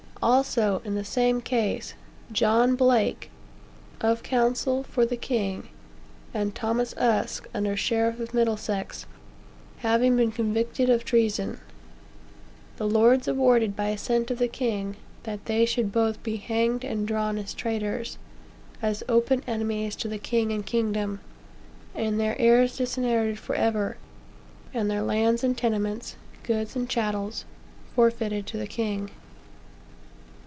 Also, in the same case, John Blake, "of council for the king," and Thomas Uske, under sheriff of Middlesex, having been convicted of treason, "The lords awarded, by assent of the king, that they should both be hanged and drawn as traitors, as open enemies to the king and kingdom, and their heirs disinherited forever, and their lands and tenements, goods and chattels, forfeited to the king."